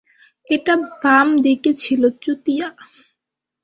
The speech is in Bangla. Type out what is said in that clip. এটা বামদিকে ছিল, চুতিয়া!